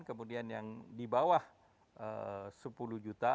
kemudian yang di bawah sepuluh juta